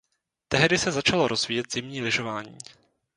Tehdy se začalo rozvíjet zimní lyžování.